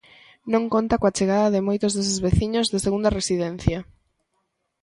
Non conta coa chegada de moitos deses veciños de segunda residencia.